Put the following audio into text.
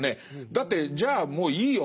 だってじゃあもういいよ